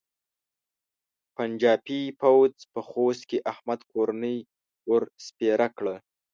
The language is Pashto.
پنجاپي پوځ په خوست کې احمد کورنۍ ور سپېره کړه.